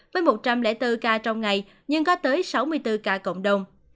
với một trăm linh bốn ca trong ngày nhưng có tới sáu mươi bốn ca cộng đồng